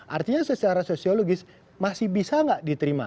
artinya secara sosiologis masih bisa nggak diterima